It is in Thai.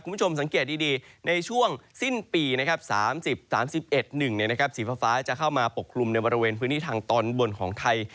คุณผู้ชมสังเกตดีในช่วงสิ้นปี๓๐๓๑๑สีฟ้าจะเข้ามาปกคลุมในบริเวณพื้นที่ทางตอนบนของไทย